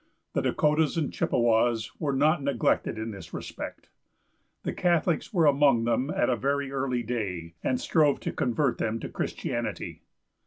The Dakotas and Chippewas were not neglected in this respect. The Catholics were among them at a very early day, and strove to convert them to Christianity.